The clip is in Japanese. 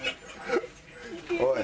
おい！